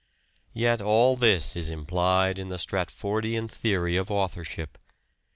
Yet all this is implied in the Stratfordian theory of authorship.